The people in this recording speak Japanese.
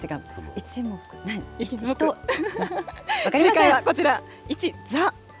正解はこちら、一座。